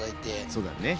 そうだね。